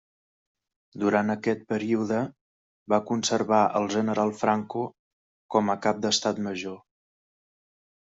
Durant aquest període, va conservar al general Franco com a cap d'Estat Major.